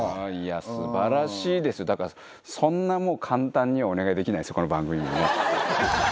すばらしいですよ、だから、そんなもう簡単にはお願いできないですよ、これ番組にもね。